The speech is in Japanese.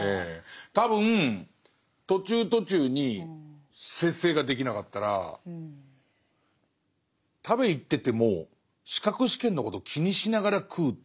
多分途中途中に節制ができなかったら食べに行ってても資格試験のことを気にしながら食うっていう